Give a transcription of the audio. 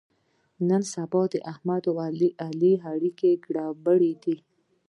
نن سبا د احمد او علي اړیکه سره ګړبړ ده.